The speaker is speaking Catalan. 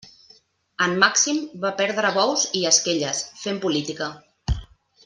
En Màxim va perdre bous i esquelles, fent política.